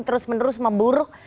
terus menerus memburuk